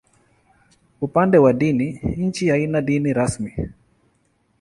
Upande wa dini, nchi haina dini rasmi.